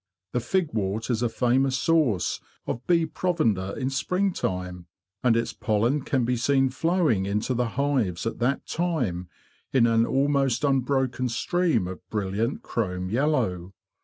The figwort is a famous source of bee provender in spring time, and its pollen can be seen flowing into the hives at that time in an almost unbroken stream of brilliant chrome yellow.